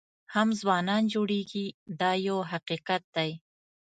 هم ځوانان جوړېږي دا یو حقیقت دی.